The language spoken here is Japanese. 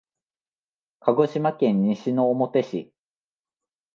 鹿児島県西之表市